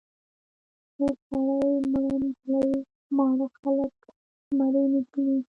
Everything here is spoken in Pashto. مور سړی، مړه نجلۍ، ماړه خلک، مړې نجونې.